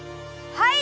はい！